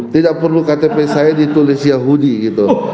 tidak perlu ktp saya ditulis yahudi gitu